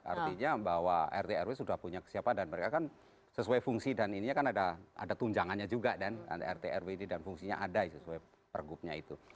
artinya bahwa rtro sudah punya siapa dan mereka kan sesuai fungsi dan ininya kan ada tunjangannya juga kan rtro ini dan fungsinya ada sesuai pergubnya itu